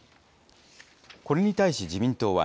これに対し自民党は、